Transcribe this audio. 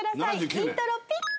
イントロピッ！